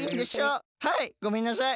はいごめんなさい。